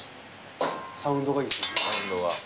サウンドがいいですね。